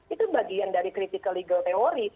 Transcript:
itu bagian dari critical legal teories